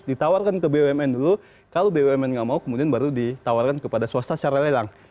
ditawarkan ke bumn dulu kalau bumn nggak mau kemudian baru ditawarkan kepada swasta secara lelang